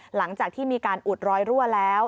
หลังจากที่มีการอุดรอยรั่วแล้ว